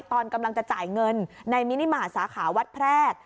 ตอนกำลังจะจ่ายเงินในมินิมาตรสาขาวัดแพรก